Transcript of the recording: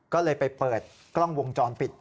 ก็เลยไปเปิดกล้องวงจรปิด